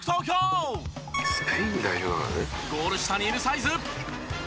ゴール下にいるサイズ。